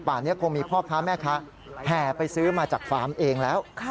ป่านี้คงมีพ่อพระแม่พ่อแผ่ไปซื้อมาจากฟาร์มเองแล้ว